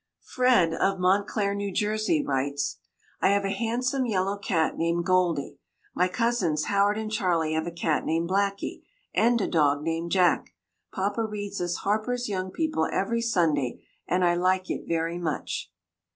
"FRED," of Montclair, New Jersey, writes: I have a handsome yellow cat named Goldy. My cousins Howard and Charlie have a cat named Blacky, and a dog named Jack. Papa reads us Harper's Young People every Sunday, and I like it very much.